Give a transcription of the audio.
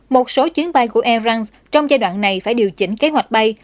một số chuyến bay của air france trong giai đoạn này phải điều chỉnh kế hoạch bay